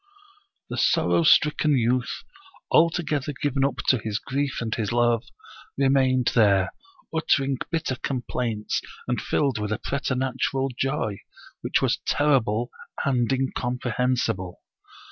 The sorrow stricken youth, altogether given up to his grief and his love, remained there, uttering bitter com plaints and filled with a preternatural joy, which was ter rible and incomprehensible.